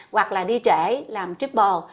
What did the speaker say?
hoặc là đi trễ làm triple